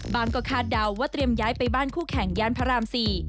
ก็คาดเดาว่าเตรียมย้ายไปบ้านคู่แข่งย่านพระราม๔